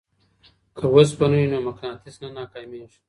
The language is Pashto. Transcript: که اوسپنه وي نو مقناطیس نه ناکامیږي.